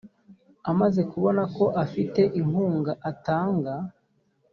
amaze kubona ko afite inkunga atanga